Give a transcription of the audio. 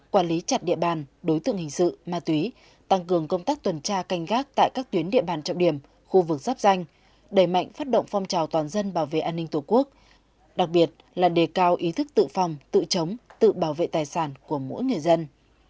quản lý chặt địa bàn đối tượng hình sự ma túy tăng cường công tác tuần tra canh gác tại các tuyến địa bàn trọng điểm khu vực giáp danh đẩy mạnh phát động phong trào toàn dân bảo vệ an ninh tổ quốc đặc biệt là đề cao ý thức tự phòng tự chống tự bảo vệ tài sản của mỗi người dân